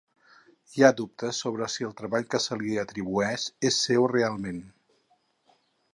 Hi ha dubtes sobre si el treball que se li atribueix és seu realment.